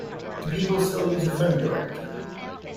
Do people still use a phone directory?